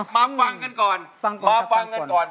มาฟังกันก่อน